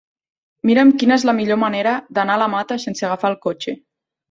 Mira'm quina és la millor manera d'anar a la Mata sense agafar el cotxe.